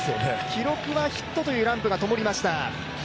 記録はヒットというランプがともりました。